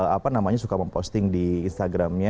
apa namanya suka memposting di instagramnya